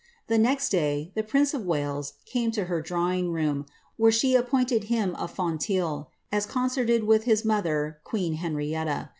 The next day, the prince of Wales came to her drawing room, when she appointed him KfoMUwl^ as concerted with his mother, queen Henrietta.